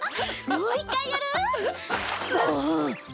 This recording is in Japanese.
もう１かいやる？